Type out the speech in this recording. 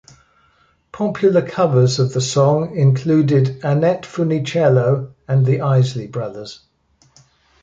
Popular covers of the song included Annette Funicello, and The Isley Brothers.